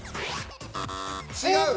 違う。